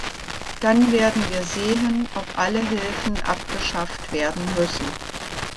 Dann werden wir sehen, ob alle Hilfen abgeschafft werden müssen.